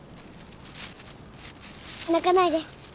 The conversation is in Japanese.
泣かないで。